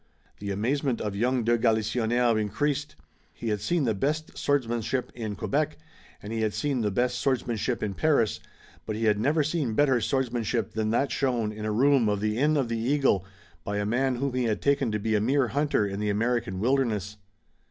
The amazement of young de Galisonnière increased. He had seen the best swordsmanship in Quebec, and he had seen the best swordsmanship in Paris, but he had never seen better swordsmanship than that shown in a room of the Inn of the Eagle by a man whom he had taken to be a mere hunter in the American wilderness.